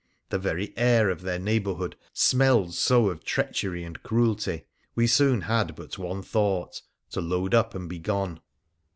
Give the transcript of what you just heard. The very air of their neighbourhood smelled so of treachery and cruelty we soon had but one thought — to load up and be gone.